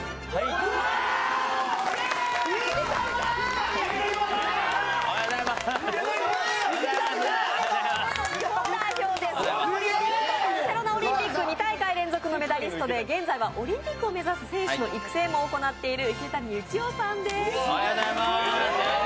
体操元日本代表で、ソウルとバルセロナオリンピック、２大会連続のメダリストで、現在はオリンピックを目指す選手の育成も行っている池谷幸雄さんです。